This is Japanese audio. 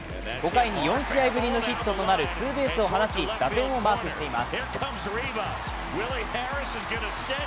５回に４試合ぶりのヒットとなるツーベースを放ち打点をマークしています。